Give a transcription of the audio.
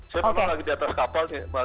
saya memang lagi di atas kapal